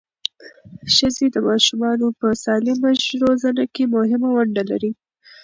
ښځې د ماشومانو په سالمه روزنه کې مهمه ونډه لري.